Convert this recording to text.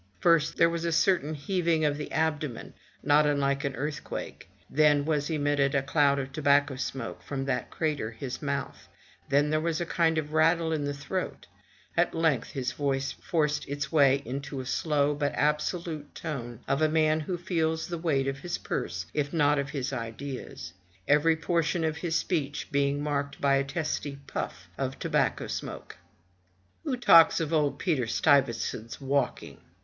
First, there was a certain heaving of the abdomen, not unlike an earthquake; then was emitted a cloud of tobacco smoke from that crater, his mouth; then there was a kind of rattle in the throat; at length his voice forced its way into a slow, but absolute tone of a man who feels the weight of his purse, if not of his ideas; every portion of his speech being marked by a testy puff of tobacco smoke. "Who talks of old Peter Stuyvesant's walking?